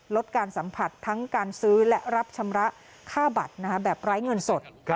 ลดการสัมผัสทั้งการซื้อและรับชำระค่าบัตรแบบไร้เงินสด